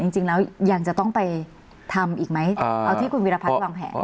จริงแล้วยังจะต้องไปทำอีกไหมเอาที่คุณวิรพัฒน์วางแผน